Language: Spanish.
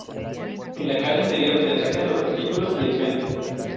En la cara inferior destacan los testículos y el pene.